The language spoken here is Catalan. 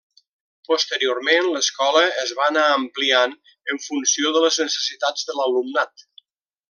Posteriorment, l'escola es va anar ampliant en funció de les necessitats de l'alumnat.